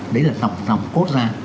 đấy là nằm cốt ra